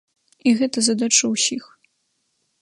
І гэта задача ўсіх.